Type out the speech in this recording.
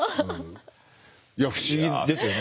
いや不思議ですよね。